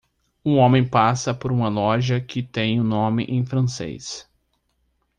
Um homem passa por uma loja que tem um nome em francês.